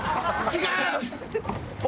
「違う」